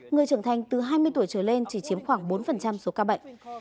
người trưởng thành từ hai mươi tuổi trở lên chỉ chiếm khoảng bốn số ca bệnh